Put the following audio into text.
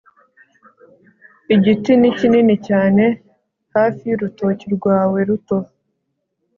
igiti ni kinini cyane hafi y'urutoki rwawe ruto